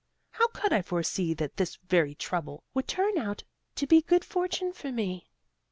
How could I foresee that this very trouble would turn out to be good fortune for me?"